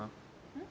うん？